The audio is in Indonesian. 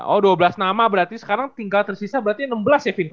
oh dua belas nama berarti sekarang tinggal tersisa berarti enam belas ya